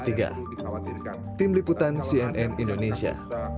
tim liputan cnn indonesia